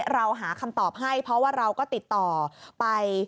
เราหาคำตอบให้เพราะว่าเราก็ติดต่อไป